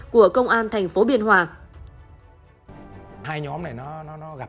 của công an thành phố biên hòa